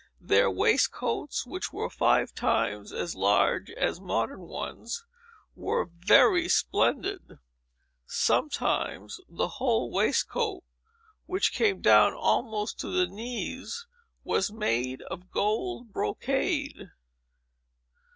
Their waistcoats, which were five times as large as modern ones, were very splendid. Sometimes, the whole waistcoat, which came down almost to the knees, was made of gold brocade."